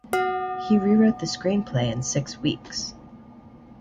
He rewrote the screenplay in six weeks.